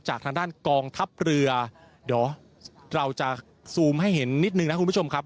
ทางด้านกองทัพเรือเดี๋ยวเราจะซูมให้เห็นนิดนึงนะคุณผู้ชมครับ